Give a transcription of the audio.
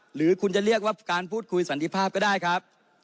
หรือคุณจะเรียกว่าการพูดคุยสันติภาพก็ได้ครับ